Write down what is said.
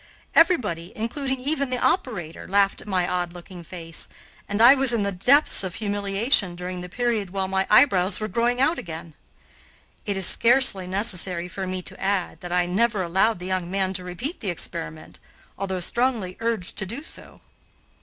Everybody, including even the operator, laughed at my odd looking face, and I was in the depths of humiliation during the period while my eyebrows were growing out again. It is scarcely necessary for me to add that I never allowed the young man to repeat the experiment, although strongly urged to do so.